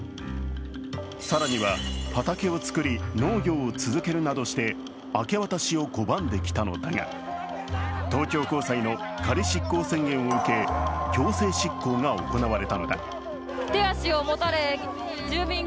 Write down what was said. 更には畑を作り、農業を続けるなどして明け渡しを拒んできたのだが、東京高裁の仮執行宣言を受け強制執行が行われたのだ。